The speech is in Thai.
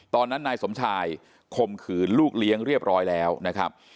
ตอนนั้นนายสมชายคมขืนลูกเลี้ยงเรียบร้อยแล้วนะครับ